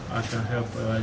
terutama untuk pemain indonesia